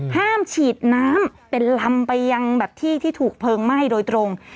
ห้ามฉีดน้ำเป็นลำไปยังแบบที่ที่ถูกเพลิงไหม้โดยตรง